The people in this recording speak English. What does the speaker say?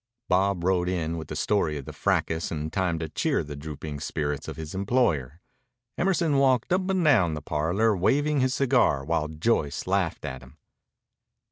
Bob rode in with the story of the fracas in time to cheer the drooping spirits of his employer. Emerson walked up and down the parlor waving his cigar while Joyce laughed at him.